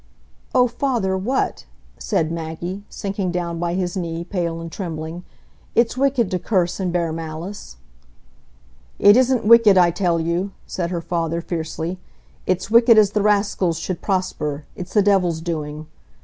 "Oh, father, what?" said Maggie, sinking down by his knee, pale and trembling. "It's wicked to curse and bear malice." "It isn't wicked, I tell you," said her father, fiercely. "It's wicked as the raskills should prosper; it's the Devil's doing.